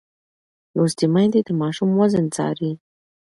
لوستې میندې د ماشوم وزن څاري.